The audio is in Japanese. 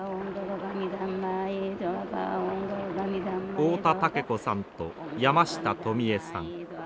太田竹子さんと山下富江さん。